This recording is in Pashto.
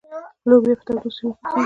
لوبیا په تودو سیمو کې کیږي.